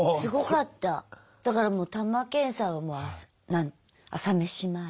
だからもう玉検査は朝飯前。